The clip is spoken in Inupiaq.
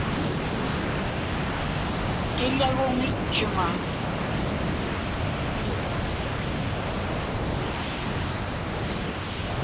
Qiḷaguŋitchuŋa.